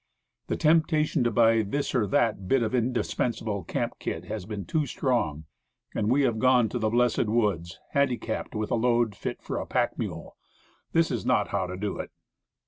The temptation to buy this or that bit of indispensable camp kit has been too strong, and we have gone to the blessed woods, handicapped with a load fit for a pack mule. This is not how to do it.